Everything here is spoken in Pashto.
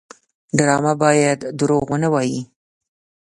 ډرامه باید دروغ ونه وایي